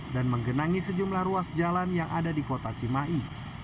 dan menggenangi sejumlah ruas jalan yang ada di kota cimahi